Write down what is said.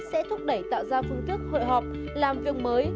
sẽ thúc đẩy tạo ra phương thức hội họp làm việc mới